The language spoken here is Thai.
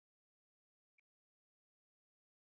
สวัสดีครับทุกคนสวัสดีครับทุกคน